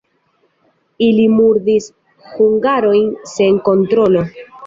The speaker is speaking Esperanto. Ili murdis hungarojn sen kontrolo.